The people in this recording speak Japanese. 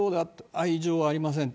愛情はありません。